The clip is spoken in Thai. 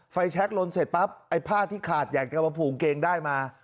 แช็คลนเสร็จปั๊บไอ้ผ้าที่ขาดอยากจะมาผูกเกงได้มา